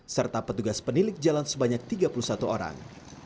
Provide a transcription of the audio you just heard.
serta petugas penilik jalan sebanyak tiga puluh satu orang